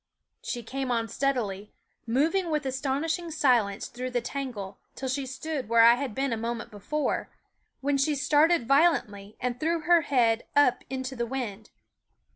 She came on steadily, moving with aston ishing silence through the tangle, till she stood where I had been a moment before, when she started violently and threw her head up into the wind.